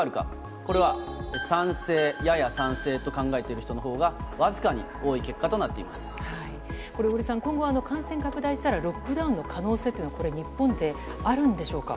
これは、賛成、やや賛成と考えている人のほうが、僅かに多い結果これ小栗さん、今後、感染拡大したら、ロックダウンの可能性というのは、これ、日本であるんでしょうか？